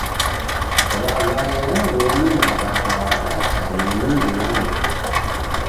W'aw'ae wa w'omi na w'aw'a wa w'aka ni mndu na mruna.